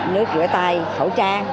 nước rửa tay khẩu trang